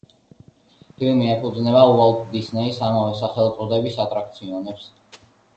ფილმი ეფუძნება უოლტ დისნეის ამავე სახელწოდების ატრაქციონებს.